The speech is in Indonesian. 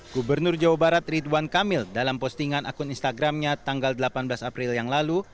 gubernur jawa barat ridwan kamil dalam postingan akun instagramnya tanggal delapan belas april yang lalu